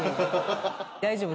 大丈夫。